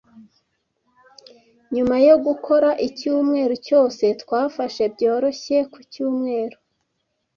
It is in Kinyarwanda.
Nyuma yo gukora icyumweru cyose, twafashe byoroshye ku cyumweru.